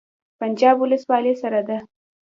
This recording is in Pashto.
پنجاب ولسوالۍ سړه ده؟